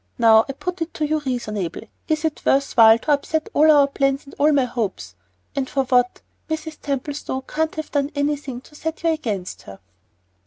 Now I put it to you reasonably; is it worth while to upset all our plans and all my hopes, and for what? Mrs. Templestowe can't have done anything to set you against her?"